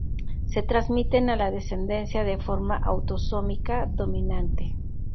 Se transmiten a la descendencia de forma autosómica dominante.